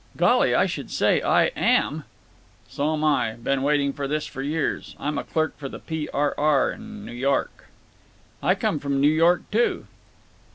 "Golly! I should say I am!" "So'm I. Been waiting for this for years. I'm a clerk for the P. R. R. in N' York." "I come from New York, too."